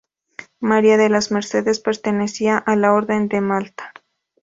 María de las Mercedes pertenecía a la Orden de Malta.